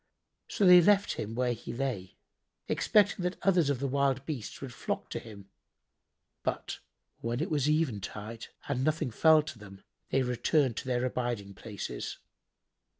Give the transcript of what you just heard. So they left him where he lay, expecting that others of the wild beasts would flock to him; but, when it was eventide and nothing fell to them, they returned to their abiding places.